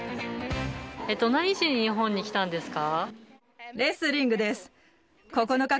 何しに日本に来たんですか？